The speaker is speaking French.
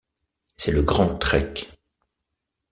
C'est le Grand Trek.